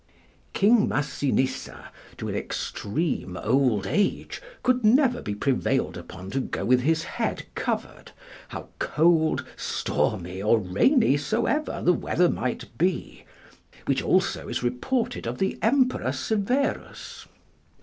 King Massinissa, to an extreme old age, could never be prevailed upon to go with his head covered, how cold, stormy, or rainy soever the weather might be; which also is reported of the Emperor Severus.